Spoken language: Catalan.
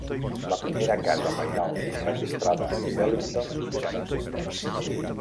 La primera casa pairal registrada d'Ellington ja no existeix.